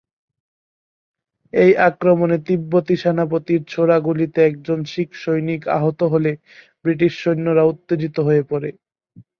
এই আক্রমণে তিব্বতী সেনাপতির ছোড়া গুলিতে একজন শিখ সৈনিক আহত হলে ব্রিটিশ সৈন্যরা উত্তেজিত হয়ে পড়ে।